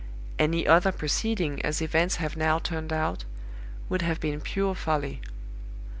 Any other proceeding, as events have now turned out, would have been pure folly.